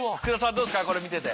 どうですかこれ見てて。